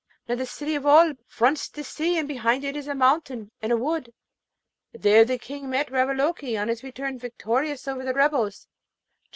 Now, the City of Oolb fronts the sea, and behind it is a mountain and a wood, where the King met Ravaloke on his return victorious over the rebels.